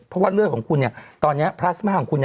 เพราะว่าเลือดของคุณตอนนี้พลาสมาของคุณ